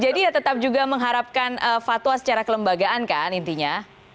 jadi ya tetap juga mengharapkan fatwa secara kelembagaan kan intinya